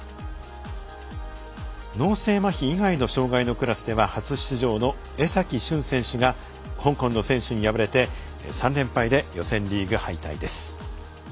脳性まひ以外の障がいのクラスでは初出場の江崎駿選手が香港の選手に敗れて３連敗で予選リーグ敗退です。